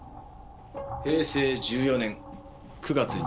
平成１４年９月１３日。